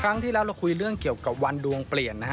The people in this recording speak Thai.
ครั้งที่แล้วเราคุยเรื่องเกี่ยวกับวันดวงเปลี่ยนนะฮะ